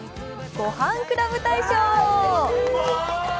ごはんクラブ大賞。